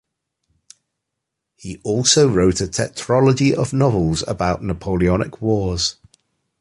He also wrote a tetralogy of novels about Napoleonic wars.